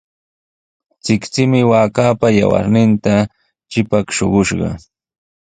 Chikchimi waakaapa yawarninta shipshi shuqushqa.